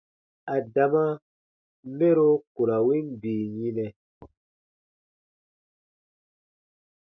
Adama mɛro ku ra win bii yinɛ.